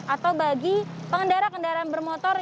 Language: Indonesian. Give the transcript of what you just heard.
atau bagi pengendara kendaraan bermotor